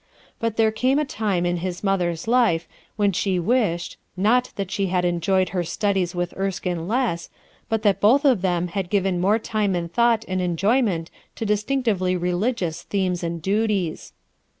ft ut there came a time in the mother's life when eh e wished, not that she had enjoyed her studies with Erskine less, but that both of them had given more time and thought and enjoyment to distinctively religious themes and duties.